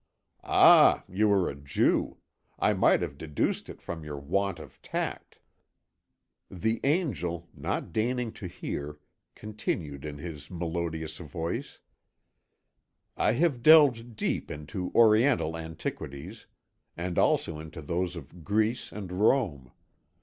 "Ah, you are a Jew. I might have deduced it from your want of tact." The Angel, not deigning to hear, continued in his melodious voice: "I have delved deep into Oriental antiquities and also into those of Greece and Rome.